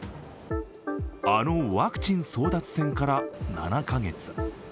あのワクチン争奪戦から７カ月。